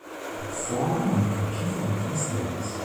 Four women competed in these games.